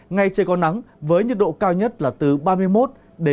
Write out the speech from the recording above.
ngay trên con nắng với nhiệt độ cao nhất là ba mươi ba mươi năm độ